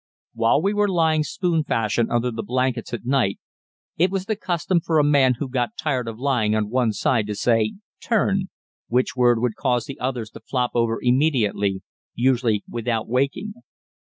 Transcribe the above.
While we were lying spoon fashion under the blankets at night, it was the custom for a man who got tired of lying on one side to say "turn," which word would cause the others to flop over immediately, usually without waking.